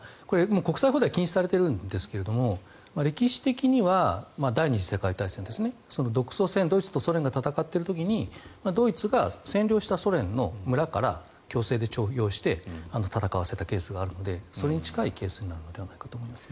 国際法では禁止されているんですが歴史的には第２次世界大戦ですね独ソ戦ドイツとソ連が戦っている時にドイツが占領したソ連の村から強制で徴用して戦わせたケースがあるのでそれに近いケースになるのではないかと思います。